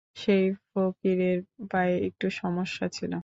সেই ফকিরের পায়ে একটু সমস্যা ছিল।